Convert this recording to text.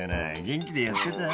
元気でやってた？